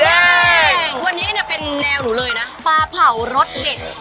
วันนี้เนี่ยเป็นแนวหนูเลยนะปลาเผารสเด็ด